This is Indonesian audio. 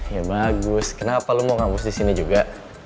ya bagus kenapa lo mau ngabus di sini juga